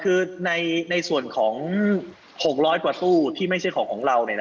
คือในส่วนของ๖๐๐กว่าตู้ที่ไม่ใช่ของเรา